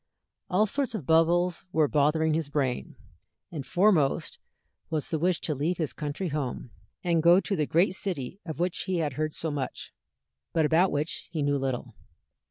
All sorts of bubbles were bothering his brain, and foremost was the wish to leave his country home, and go to the great city of which he had heard so much, but about which he knew little.